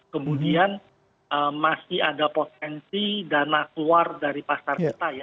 kemudian masih ada potensi dana keluar dari pasar kita ya